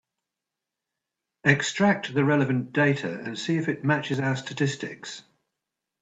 Extract the relevant data and see if it matches our statistics.